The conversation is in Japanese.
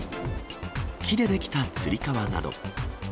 木で出来たつり革など。